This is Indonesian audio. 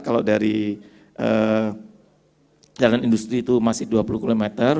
kalau dari jalan industri itu masih dua puluh km